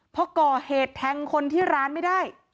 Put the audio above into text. พอก่อเหตุแทงคนที่ร้านไม่ได้